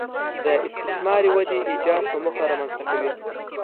د استثماري ودې ایجاد په موخه رامنځته کوي